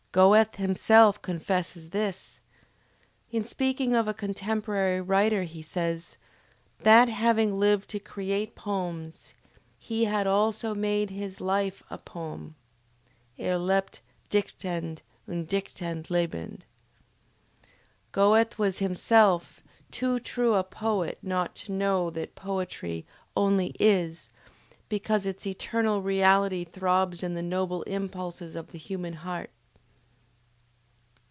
Goethe himself confesses this. In speaking of a contemporary writer he says: "that having lived to create poems, he had also made his life a Poem." (Er lebte dichtend, und dichtete lebend.) Goethe was himself too true a poet not to know that Poetry only is, because its eternal Reality throbs in the noble impulses of the human heart.